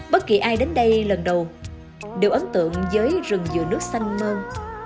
bất kỳ ai đến đây lần đầu đều ấn tượng với rừng dừa nước xanh mơn